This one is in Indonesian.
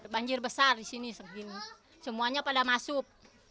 banjir besar di sini semuanya pada masuk